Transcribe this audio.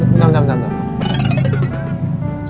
tunggu tunggu tunggu